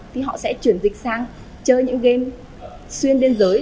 thì họ sẽ chuyển dịch sang chơi những game xuyên biên giới